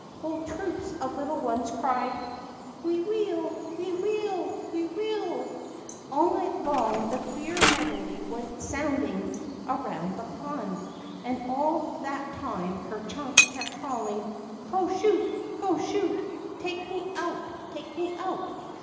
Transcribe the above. '' Whole troops of little ones cried, ^MVe weel ! We weel ! We weel !" All night long the queer medley went sounding around the pond, and all that time Ker Chunk kept calling " Co shoot ! Co shoot ! Take me out ! Take m:e out